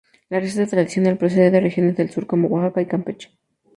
La receta tradicional procede de regiones del sur como Oaxaca y Campeche.